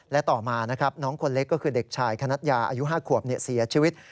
และต่อมานะครับน้องคนเล็กก็คือเด็กชายคณัทยาอายุ๕ขวบเสียชีวิต